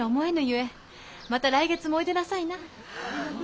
また来月もおいでなさいな。